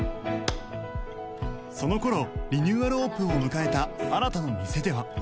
その頃リニューアルオープンを迎えた新の店では